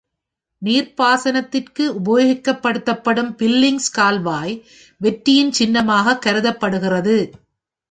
நீர்ப்பாசனத்திற்கு உபயோகப்படுத்தப்படும் Billings கால்வாய் வெற்றியின் சின்னமாக கருதப்படுகிறது.